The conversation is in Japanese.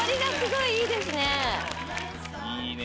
いいね。